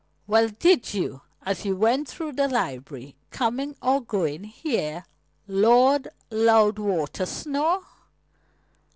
"Well, did you, as you went through the library, coming or going, hear Lord Loudwater snore?"